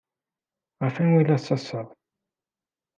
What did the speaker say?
Ɣef wanwa ay la tettaḍsaḍ?